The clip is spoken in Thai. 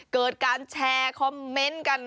เกิดการแชร์คอมเมนต์กัน